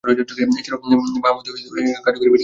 এছাড়াও, বামহাতে কার্যকরী ব্যাটিং করে থাকেন তিনি।